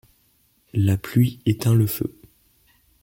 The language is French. la pluie etteint le feu